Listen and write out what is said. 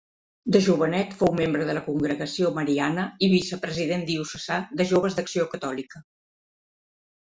De jovenet fou membre de la Congregació Mariana i vicepresident diocesà de joves d'Acció Catòlica.